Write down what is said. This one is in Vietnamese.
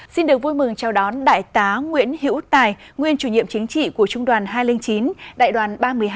xin được vui mừng chào đón đại tá nguyễn hiễu tài nguyên chủ nhiệm chính trị của trung đoàn hai trăm linh chín đại đoàn ba mươi hai